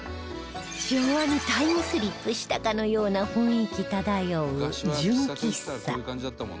昭和にタイムスリップしたかのような雰囲気漂う純喫茶